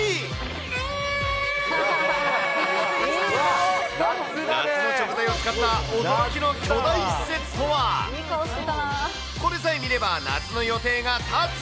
えー！夏の食材を使った驚きの巨大施設とは。これさえ見れば夏の予定が立つ。